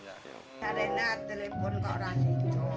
ya presi tertawanya